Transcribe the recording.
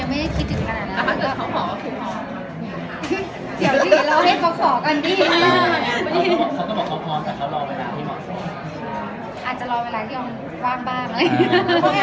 เราไม่เคยทำงานทุกวันขนาดนี้